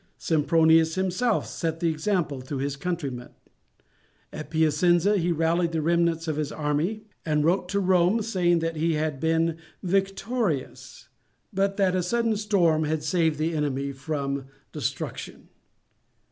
Sempronius himself set the example to his countrymen. At Piacenza he rallied the remnants of his army, and wrote to Rome, saying that he had been victorious, but that a sudden storm had saved the enemy from destruction.